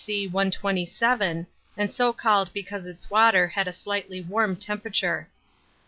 C. 127, and so called because its water had a slightly warm temperature.